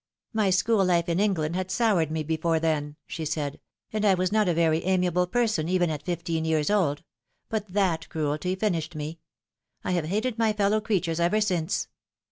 " My school life in England had soured me before then," she said, " and I was not a very amiable person even at fifteen years old ; but that cruelty finished me. I have hated my fellow creatures ever since."